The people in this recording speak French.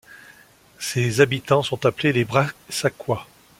Ses habitants sont appelés les Brassacois.